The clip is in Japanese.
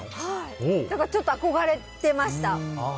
だからちょっと憧れてました。